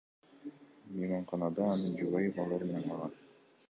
Мейманканада анын жубайы балдары менен калган.